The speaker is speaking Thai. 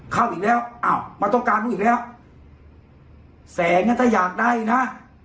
อีกแล้วอ้าวมันต้องการมึงอีกแล้วแสงอ่ะถ้าอยากได้นะ